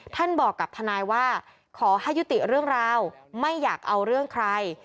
บอกกับทนายว่าขอให้ยุติเรื่องราวไม่อยากเอาเรื่องใคร